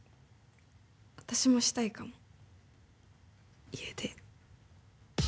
私もしたいかも家出。